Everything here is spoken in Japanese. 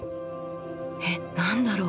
えっ何だろう？